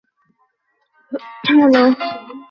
ওর মুখ সব ঢাকা।